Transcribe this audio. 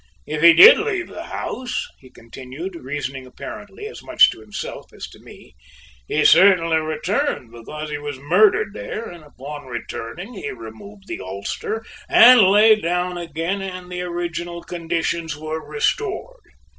If he did leave the house," he continued, reasoning apparently as much to himself as to me, "he certainly returned, because he was murdered there, and upon returning he removed the ulster and lay down again and the original conditions were restored.